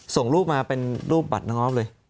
ส่งรูปมาเป็นรูปบัตรน้องออฟเลย